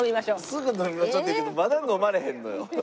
「すぐ飲みましょ」って言うけどまだ飲まれへんのよ。